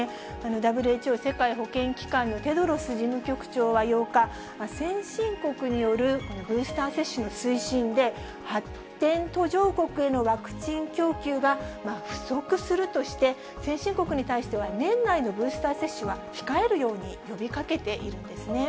ＷＨＯ・世界保健機関のテドロス事務局長は８日、先進国によるブースター接種の推進で、発展途上国へのワクチン供給が不足するとして、先進国に対して、年内のブースター接種は控えるように呼びかけているんですね。